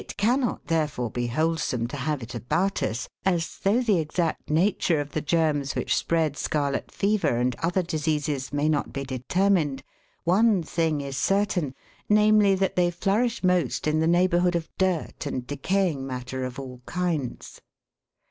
cannot therefore be wholesome to have it about us, as, though the exact nature of the germs which spread scarlet fever and other diseases may not be determined, one thing is certain, namely, that they flourish most in the neighbour hood of dirt ajid decaying matter of all kinds.